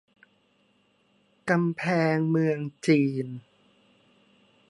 กำแพงเมืองจีน